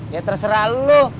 ya terserah lu